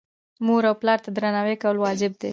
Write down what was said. مور او پلار ته درناوی کول واجب دي.